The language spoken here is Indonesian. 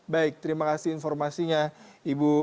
baik terima kasih informasinya ibu